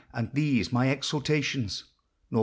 And these my exhortations! Nor.